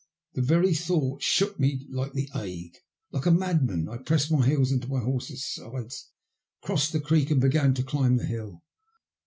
The very thought shook me like the ague. Like a madman I pressed my heels into my horse's sides, crossed the creek and began to climb the hill.